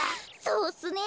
そうっすね。